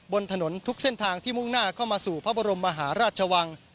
บนถนนทุกเส้นทางที่มุ่งหน้าเข้ามาสู่พระบรมมหาราชวัง